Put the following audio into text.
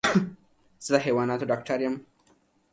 زه د حيواناتو ډاکټر يم.